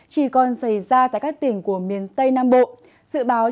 trong cơn rông có khả năng xảy ra tố lốc và gió giật mạnh